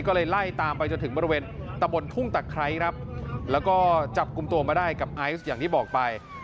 ก็เลยไล่ตามไปจนถึงบริเวณตะบนทุ่งตะไคร้ครับแล้วก็จับกลุ่มตัวมาได้กับไอซ์อย่างที่บอกไป